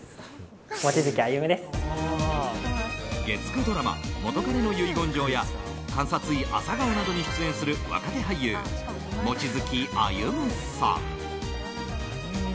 月９ドラマ「元彼の遺言状」や「監察医朝顔」などに出演する若手俳優・望月歩さん。